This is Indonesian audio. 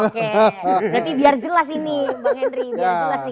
berarti biar jelas ini bang henry